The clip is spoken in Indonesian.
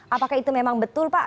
apakah itu memang betul pak